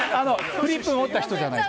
フリップ持った人じゃないと。